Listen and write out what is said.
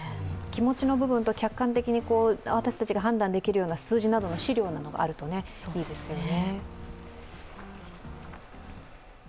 気持ちの部分と客観的に私たちが判断できるような数字などの資料があるといいですよね。